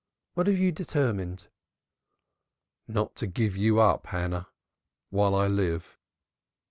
What have you determined?" "Not to give you up, Hannah, while I live."